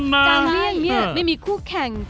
จางเลี่ยงเนี่ยไม่มีคู่แข่ง